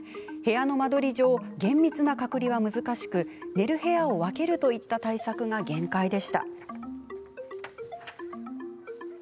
部屋の間取り上厳密な隔離は難しく寝る部屋を分けるといった対策が限界でした。